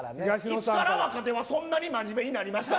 いつから若手はそんなにまじめになりました？